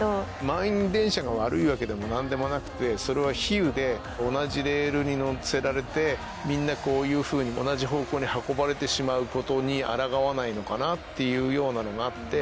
満員電車が悪いわけでも何でもなくてそれは比喩で同じレールに乗せられてみんなこういうふうに同じ方向に運ばれてしまうことにあらがわないのかなっていうようなのがあって。